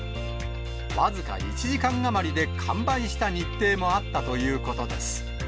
僅か１時間余りで完売した日程もあったということです。